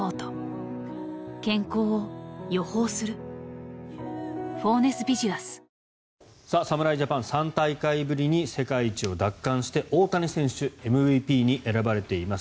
多分、ＷＢＣの試合に入る前にも侍ジャパン、３大会ぶりに世界一を奪還して大谷選手、ＭＶＰに選ばれています。